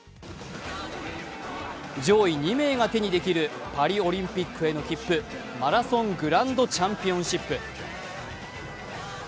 上位２名が手にできるパリオリンピックへの切符、マラソングランドチャンピオンシップ。